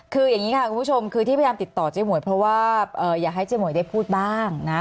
คืออย่างนี้ค่ะคุณผู้ชมคือที่พยายามติดต่อเจ๊หมวยเพราะว่าอยากให้เจ๊หวยได้พูดบ้างนะ